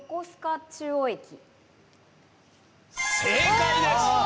正解です！